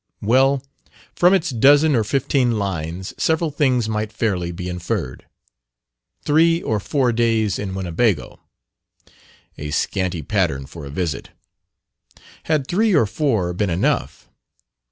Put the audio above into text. Well, from its dozen or fifteen lines several things might fairly be inferred. "Three or four days in Winnebago" a scanty pattern for a visit. Had three or four been enough?